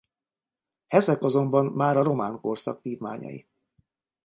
Ezek azonban már a román korszak vívmányai.